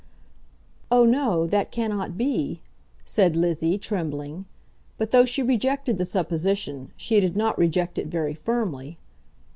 "Oh no, that cannot be," said Lizzie, trembling. But, though she rejected the supposition, she did not reject it very firmly.